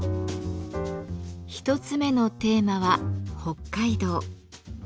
一つ目のテーマは「北海道」。